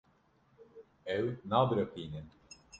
Ew nabiriqîne.